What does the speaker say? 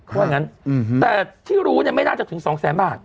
พูดอย่างงั้นแต่ที่รู้เนี่ยไม่น่าจะถึง๒๐๐๐๐๐บาท